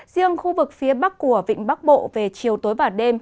riêng khu vực phía bắc của vịnh bắc bộ về chiều tối và đêm